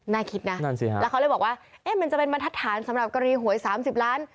น่าคิดนะแล้วเขาเลยบอกว่ามันจะเป็นมันทัศน์สำหรับกรณีหวย๓๐ล้าน